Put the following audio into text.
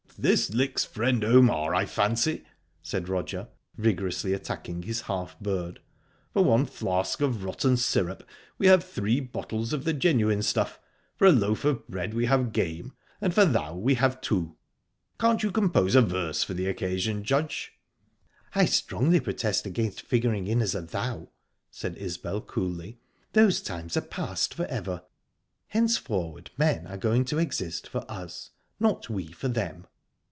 "This licks friend Omar, I fancy," said Roger, vigorously attacking his half bird. "For one flask of rotten syrup we have three bottles of the genuine stuff, for a loaf of bread we have game, and for 'thou' we have two. Can't you compose a verse for the occasion, Judge?" "I strongly protest against figuring in as a 'thou,'" said Isbel, coolly. "Those times are past for ever. Henceforward men are going to exist for us, not we for them."